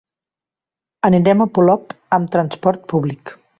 Anirem a Polop amb transport públic.